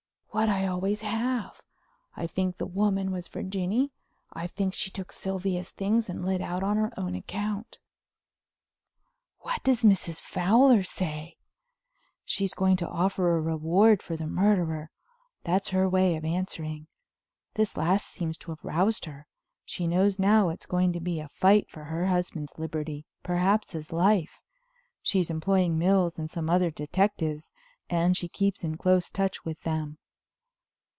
"What I always have. I think the woman was Virginie. I think she took Sylvia's things and lit out on her own account." "What does Mrs. Fowler say?" "She's going to offer a reward for the murderer. That's her way of answering. This last seems to have roused her. She knows now it's going to be a fight for her husband's liberty, perhaps his life. She's employing Mills and some other detectives and she keeps in close touch with them."